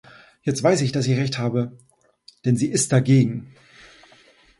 Jetzt weiß ich, dass ich Recht habe, denn sie ist dagegen.